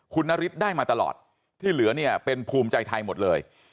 คุณนฤทธิ์ได้มาตลอดที่เหลือเนี่ยเป็นภูมิใจไทยหมดเลย